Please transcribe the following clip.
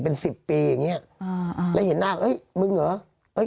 เป็นสิบปีอย่างเงี้ยอ่าแล้วเห็นหน้าเอ้ยมึงเหรอเอ้ย